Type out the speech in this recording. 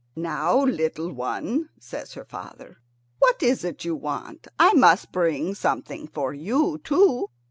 "Now little one," says her father, "what is it you want? I must bring something for you too."